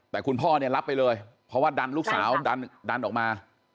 แต่คุณพ่อเนี่ยรับไปเลยเพราะว่าดันลูกสาวดันออกมา